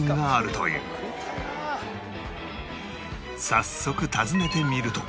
早速訪ねてみると